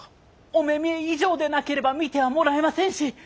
御目見以上でなければ診てはもらえませんし。